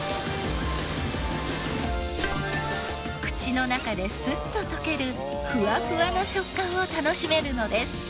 口の中でスッと溶けるふわふわの食感を楽しめるのです。